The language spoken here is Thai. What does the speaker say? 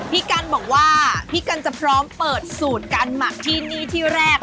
พี่กันบอกว่าพี่กันจะพร้อมเปิดสูตรการหมักที่นี่ที่แรก